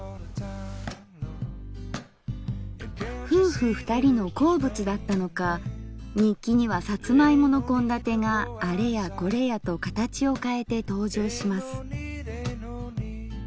夫婦２人の好物だったのか日記にはさつま芋の献立があれやこれやと形を変えて登場します。